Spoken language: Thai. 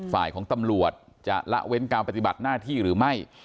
ฝ่ายของตำรวจจะละเว้นการปฏิบัติหน้าที่หรือไม่